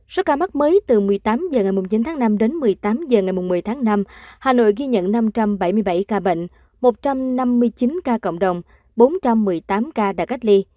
số ca mắc mới từ một mươi tám h ngày chín tháng năm đến một mươi tám h ngày một mươi tháng năm hà nội ghi nhận năm trăm bảy mươi bảy ca bệnh một trăm năm mươi chín ca cộng đồng bốn trăm một mươi tám ca đã cách ly